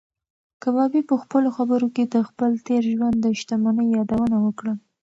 کبابي په خپلو خبرو کې د خپل تېر ژوند د شتمنۍ یادونه وکړه.